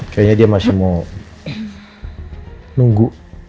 kayaknya dia masih mau nunggu